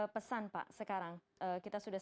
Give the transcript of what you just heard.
pesan sekarang kita sudah